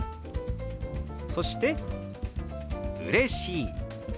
そして「うれしい」。